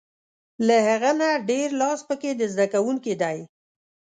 له هغه نه ډېر لاس په کې د زده کوونکي دی.